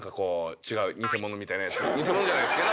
偽物じゃないっすけど。